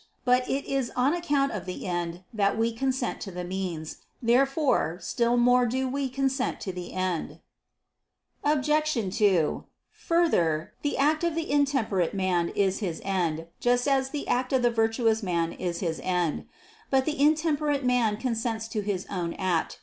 But it is on account of the end that we consent to the means. Therefore, still more do we consent to the end. Obj. 2: Further, the act of the intemperate man is his end, just as the act of the virtuous man is his end. But the intemperate man consents to his own act.